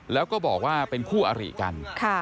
แล้วก็บอกว่าเป็นคู่อริกัน